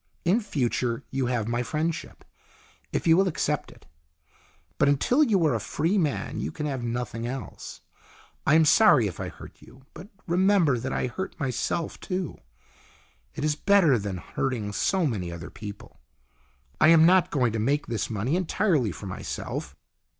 In future you have my friendship, if you will accept it. But until you are a free man you can have nothing else. I am sorry if I hurt you, but remember that I hurt myself too. It is better than hurting so many other people. I am not going to make this money entirely for myself."